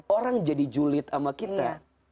orang jadi julid sama kita